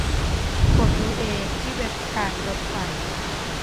กดดูเองที่เว็บการถไฟ